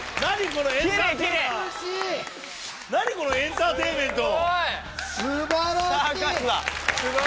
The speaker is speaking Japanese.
このエンターテインメント！